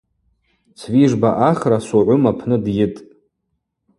Цвижба Ахра Согъвым апны дйытӏ.